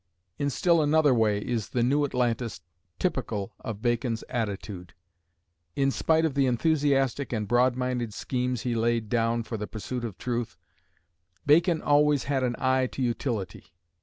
In still another way is "The New Atlantis" typical of Bacon's attitude. In spite of the enthusiastic and broad minded schemes he laid down for the pursuit of truth, Bacon always had an eye to utility.